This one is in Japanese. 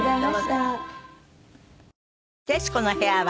『徹子の部屋』は